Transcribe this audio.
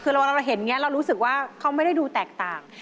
คือเราเห็นอย่างนี้เรารู้สึกว่าเขาไม่ได้ดูแตกต่าง